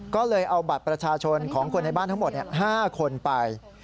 ก็เลยเอาบัตรประชาชนของคนในบ้านทั้งหมด๕คนไป